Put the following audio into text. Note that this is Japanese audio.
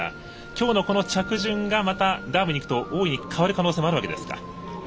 きょうの着順がまたダービーにいくと大いに変わる可能性もあるわけですか？